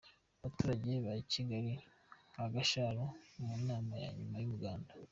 Abaturage b'Akagali ka Gasharu mu nama ya nyuma y'umuganda.